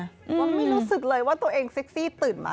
ไม่รู้สึกเลยว่าตัวเองเซ็กซี่ตื่นมา